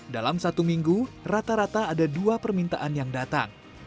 dalam satu minggu rata rata ada dua permintaan yang datang